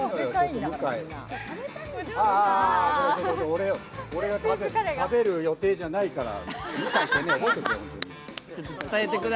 俺が食べる予定じゃないから。